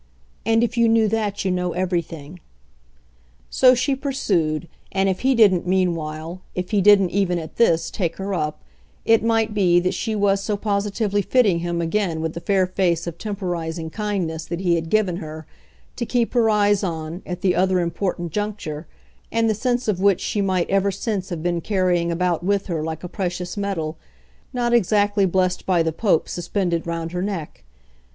And if you knew that you know everything." So she pursued, and if he didn't meanwhile, if he didn't even at this, take her up, it might be that she was so positively fitting him again with the fair face of temporising kindness that he had given her, to keep her eyes on, at the other important juncture, and the sense of which she might ever since have been carrying about with her like a precious medal not exactly blessed by the Pope suspended round her neck.